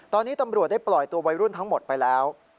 ตอนนี้ตำรวจได้ปล่อยตัววัยรุ่นทั้งหมดไปแล้ว